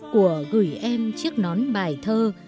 của gửi em chiếc nón bài thơ